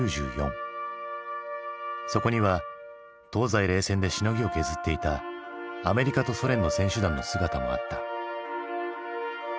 そこには東西冷戦でしのぎを削っていたアメリカとソ連の選手団の姿もあった。